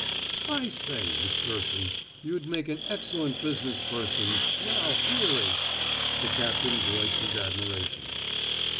"I say, Miss Gerson, you'd make an excellent business person, now, really," the captain voiced his admiration.